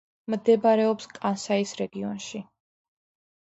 მდებარეობს კანსაის რეგიონში.